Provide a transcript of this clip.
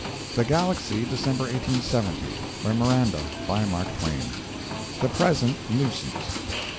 THE GALAXY, December 1870 MEMORANDA. BY MARK TWAIN. THE "PRESENT" NUISANCE.